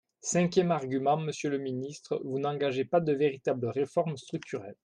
Cinquième argument, monsieur le ministre, vous n’engagez pas de véritables réformes structurelles.